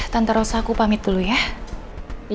tante rosa aku pamit tadi